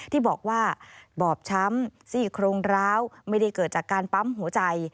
ที่บอกว่าบอบช้ำซี่โครงร้าวไม่ได้เกิดจากการปั๊มหัวใจ